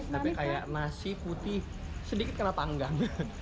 tapi seperti nasi putih sedikit kena tanggang